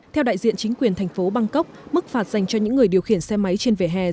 theo đại diện chính quyền thành phố bangkok mức phạt dành cho những người điều khiển xe máy trên vẻ hè